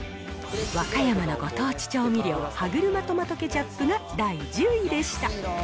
和歌山のご当地調味料、ハグルマトマトケチャップが第１０位でした。